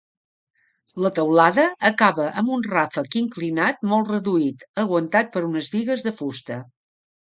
La teulada acaba amb un ràfec inclinat molt reduït aguantat per unes bigues de fusta.